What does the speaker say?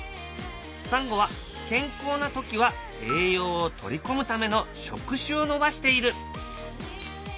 サンゴは健康な時は栄養を取り込むための触手を伸ばしている。